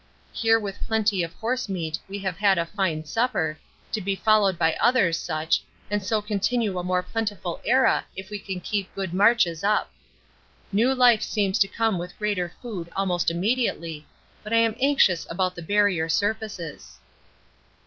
Here with plenty of horsemeat we have had a fine supper, to be followed by others such, and so continue a more plentiful era if we can keep good marches up. New life seems to come with greater food almost immediately, but I am anxious about the Barrier surfaces.